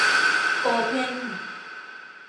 โอเพ่น